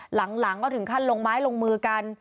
หลังก็ถึงขั้นลงไม้ลงมือกัน